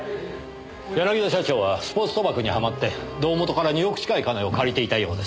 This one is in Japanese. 柳田社長はスポーツ賭博にはまって胴元から２億近い金を借りていたようです。